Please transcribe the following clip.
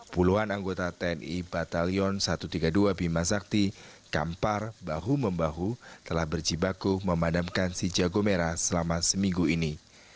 puluhan anggota tni batalion satu ratus tiga puluh dua bima sakti kampar bahu membahu telah berjibaku memadamkan si jago merah selama seminggu ini